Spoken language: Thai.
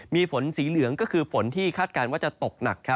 มีฝนสีเหลืองก็คือฝนที่คาดการณ์ว่าจะตกหนัก